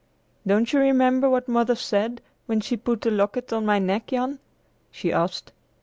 "Don't you remember what Mother said when she put the locket on my neck, Jan?" she asked.